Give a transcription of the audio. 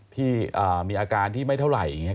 ที่มีอาการที่ไม่เท่าไหร่อย่างนี้